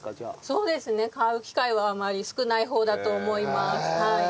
そうですね買う機会はあまり少ない方だと思います。